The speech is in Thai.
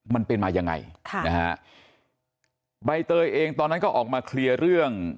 มันเป็นมายังไงค่ะนะฮะใบเตยเองตอนนั้นก็ออกมาเคลียร์เรื่อง